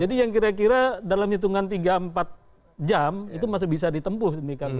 jadi yang kira kira dalam hitungan tiga empat jam itu masih bisa ditempuh